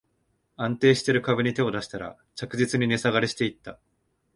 安定してる株に手を出したら、着実に値下がりしていった